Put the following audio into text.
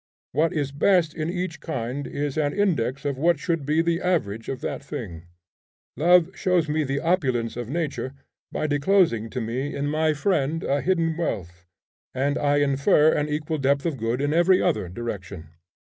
What is best in each kind is an index of what should be the average of that thing. Love shows me the opulence of nature, by disclosing to me in my friend a hidden wealth, and I infer an equal depth of good in every other direction.